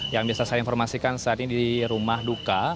yang bisa saya informasikan saat ini di rumah duka